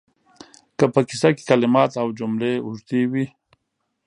که په کیسه کې کلمات او جملې اوږدې وي